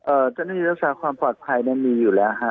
เจ้าหน้าที่รักษาความปลอดภัยเนี่ยมีอยู่แล้วฮะ